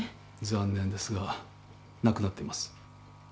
残念ですが亡くなっています。